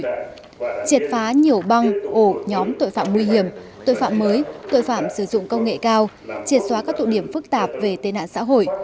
triệt phá nhiều băng ổ nhóm tội phạm nguy hiểm tội phạm mới tội phạm sử dụng công nghệ cao triệt xóa các tụ điểm phức tạp về tên nạn xã hội